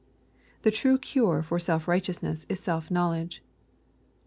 The true cure for self righteousness is self knowledge.